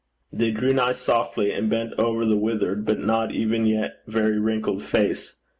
They drew nigh softly, and bent over the withered, but not even yet very wrinkled face.